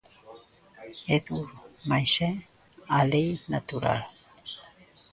É duro, mais é a lei natural.